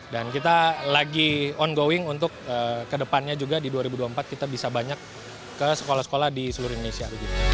dan kita lagi ongoing untuk kedepannya juga di dua ribu dua puluh empat kita bisa banyak ke sekolah sekolah di seluruh indonesia